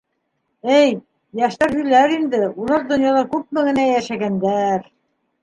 — Эй, йәштәр һөйләр инде, улар донъяла күпме генә йәшәгәндәр.